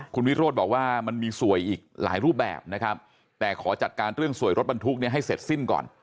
คุณวิโรธบอกว่ามันมีสวยอีกหลายรูปแบบนะครับแต่ขอจัดการเรื่องสวยรถบรรทุกเนี่ยให้เสร็จสิ้นก่อน